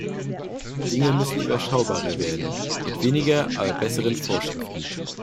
Die Dinge müssen überschaubarer werden, mit weniger, aber besseren Vorschriften.